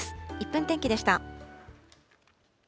１分天気でした。